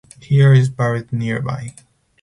Heer is buried nearby.